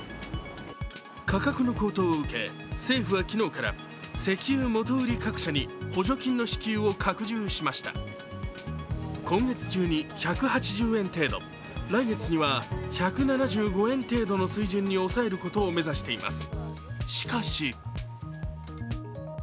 価格の高騰を受け、政府は昨日から石油元売り各社に補助金の支給を拡充しました今月中に１８０円程度、来月には１７５円程度の水準に抑えることを目指しています。